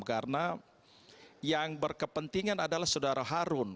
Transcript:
karena yang berkepentingan adalah sudara harun